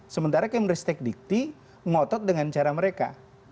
sementara cambridge tech dikti ngotot dengan cara mereka